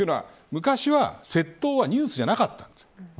昔は窃盗はニュースじゃなかったんです。